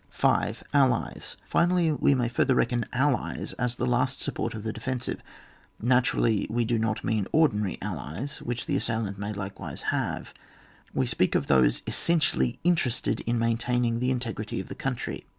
5. — Allies, Finally, we may further reckon allies as the last support of the defensive. Natur ally we do not mean ordinary allies, which the assailant may likewise have ; we speak of those essentially interested in maintaining the integrity of the country.